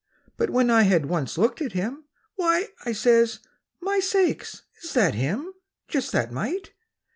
But when I had once looked at him, "Why!" I says, "My sakes, is that him? Just that mite!"